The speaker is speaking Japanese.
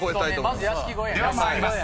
［では参ります。